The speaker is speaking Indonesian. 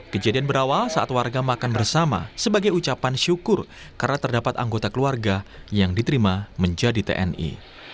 kejadian berawal saat warga makan bersama sebagai ucapan syukur karena terdapat anggota keluarga yang diterima menjadi tni